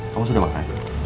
kamu sudah makan